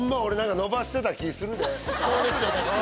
これそうですよね